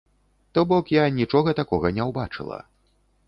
То бок я нічога такога не ўбачыла.